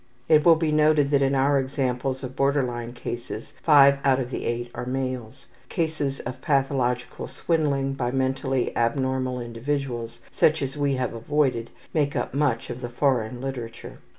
It will be noted that in our examples of border line cases 5 out of the 8 are males. Cases of pathological swindling by mentally abnormal individuals, such as we have avoided, make up much of the foreign literature.